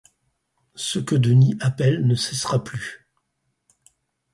Ce que Denis appelle ne cessera plus.